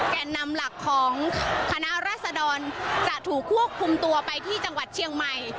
แก่นนำหลักของคณะรัศดรจะถูกควบคุมตัวไปที่จังหวัดเชียงใหม่